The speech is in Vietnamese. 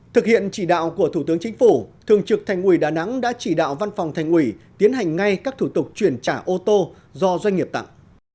thực hiện chỉ đạo của thủ tướng chính phủ thường trực thành ủy đà nẵng đã chỉ đạo văn phòng thành ủy tiến hành ngay các thủ tục chuyển trả ô tô do doanh nghiệp tặng